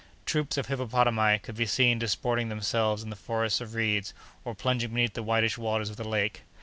Troops of hippopotami could be seen disporting themselves in the forests of reeds, or plunging beneath the whitish waters of the lake.